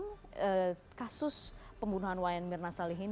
dalam kasus pembunuhan wayan mirna salihin